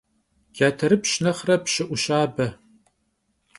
Caterıpş nexhre pşı 'Uşabe.